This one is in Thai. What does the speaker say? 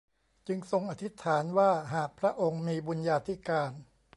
จึงทรงอธิษฐานว่าหากพระองค์มีบุญญาธิการ